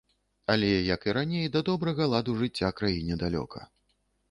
Але, як і раней, да добрага ладу жыцця краіне далёка.